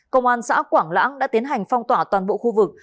công an xã quảng lãng đã tiến hành phong tỏa toàn bộ khu vực